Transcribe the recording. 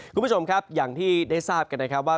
คุณผู้ชมครับอย่างที่ได้ทราบกันนะครับว่า